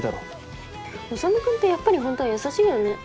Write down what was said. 修君ってやっぱりホントは優しいよね。